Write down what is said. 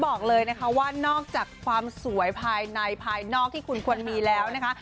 บอกเลยนะคะว่านอกจากความสวยภายในภายนอกที่คุณควรมีแล้วนะคะ